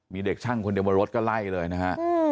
มีเด็กช่างคนเดียวบนรถก็ไล่เลยนะฮะ